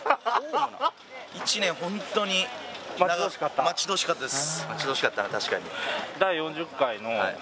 １年、本当に待ち遠しかったです。